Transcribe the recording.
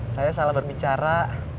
saya salah berbicara